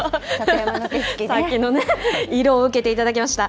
さっきの色を受けていただきました。